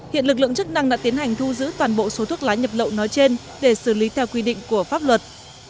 hiện lực lượng chức năng đã tiến hành thu giữ toàn bộ số thuốc lá nhập lậu nói trên để xử lý theo quy định của pháp luật